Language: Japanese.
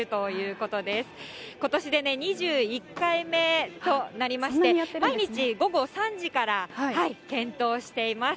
ことしで２１回目となりまして、毎日午後３時から点灯しています。